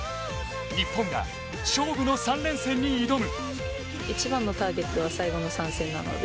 日本が勝負の３連戦に挑む。